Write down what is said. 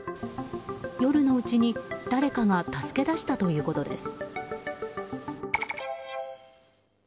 夜のうちに誰かが助け出したということです。